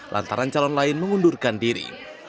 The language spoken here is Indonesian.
lantaran calon lain mengundurkan diri